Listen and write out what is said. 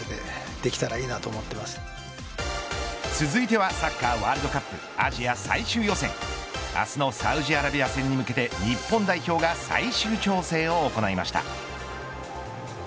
続いてはサッカーワールドカップアジア最終予選あすのサウジアラビア戦に向けて日本代表が最終調整を行いました。